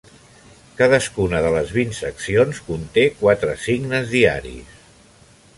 Cadascuna de les vint seccions conté quatre signes diaris.